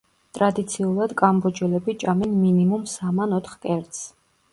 ტრადიციულად, კამბოჯელები ჭამენ მინიმუმ სამ ან ოთხ კერძს.